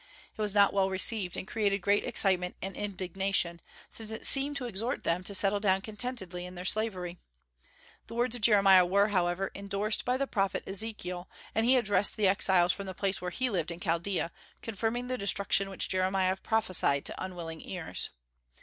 It was not well received, and created great excitement and indignation, since it seemed to exhort them to settle down contentedly in their slavery. The words of Jeremiah were, however, indorsed by the prophet Ezekiel, and he addressed the exiles from the place where he lived in Chaldaea, confirming the destruction which Jeremiah prophesied to unwilling ears.